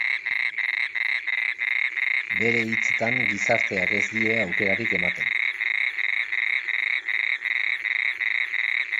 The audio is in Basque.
Bere hitzetan, gizarteak ez die aukerarik ematen.